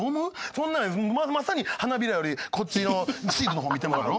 そんならまさに花びらよりこっちのシートの方見てまうやろ？